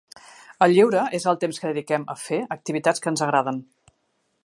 El lleure és el temps que dediquem a fer activitats que ens agraden.